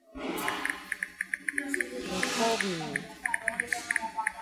Nokowimi.